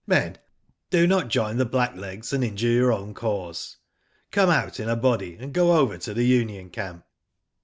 Men, do not join the blacklegs, and injure your own cause. Come out in a body, and go over to the union camp."